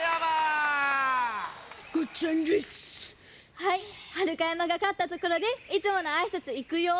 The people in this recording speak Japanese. はいはるかやまがかったところでいつものあいさついくよ！